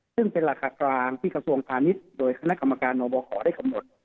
ซึ่งเป็นราคากลางที่กระทรวงธานิษฐ์โดยนักกรรมการบขอได้ขำนวด